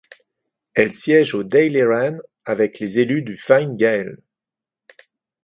Elle siège au Dáil Éireann avec les élus du Fine Gael.